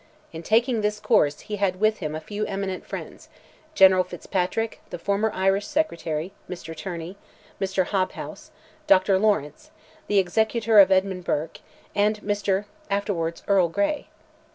In taking this course he had with him a few eminent friends: General Fitzpatrick, the former Irish Secretary, Mr. Tierney, Mr. Hobhouse, Dr. Lawrence, the executor of Edmund Burke, and Mr., afterwards Earl Grey.